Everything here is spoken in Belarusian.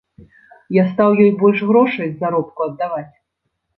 Я стаў ёй больш грошай з заробку аддаваць.